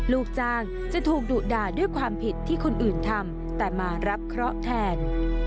ลูกจ้างจะถูกดุด่าด้วยความผิดที่คนอื่นทำแต่มารับเคราะห์แทน